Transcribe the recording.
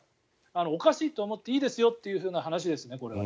おかしいと思っていいですよという話ですね。